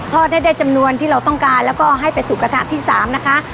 ให้ได้จำนวนที่เราต้องการแล้วก็ให้ไปสู่กระทะที่๓นะคะ